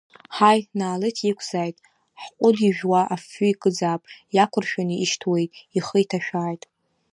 Ҳаи, наалеҭ иқәзааит, ҳҟәыд ижәуа афҩы икызаап, иақәыршәаны ишьҭуеит, ихы иҭашәааит!